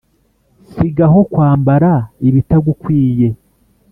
sigaho kwambara ibitagukwiye